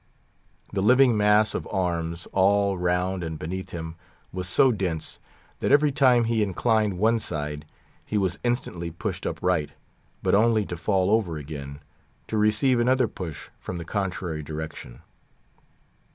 The living mass of arms all round and beneath him was so dense, that every time he inclined one side he was instantly pushed upright, but only to fall over again, to receive another push from the contrary direction.